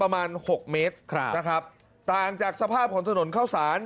หกเมตรครับนะครับต่างจากสภาพของถนนเข้าสาร